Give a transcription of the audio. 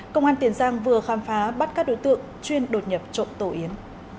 công an tiền giang vừa khám phá bắt các đối tượng chuyên đột nhập trộm tổ yến